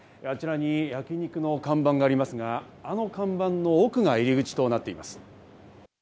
あちらに焼肉の看板がありますが、あの看板の奥が入り口となっています。